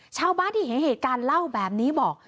ชาวบ้านที่เห็นเหตุการณ์เล่าแบบนี้บอก